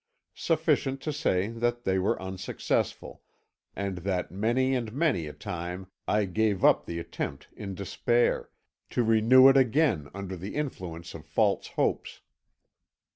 Sufficient to say that they were unsuccessful, and that many and many a time I gave up the attempt in despair, to renew it again under the influence of false hopes.